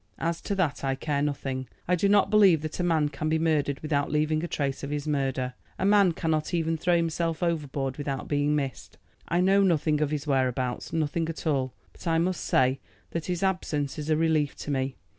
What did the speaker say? "As to that I care nothing. I do not believe that a man can be murdered without leaving a trace of his murder. A man cannot even throw himself overboard without being missed. I know nothing of his whereabouts, nothing at all. But I must say that his absence is a relief to me.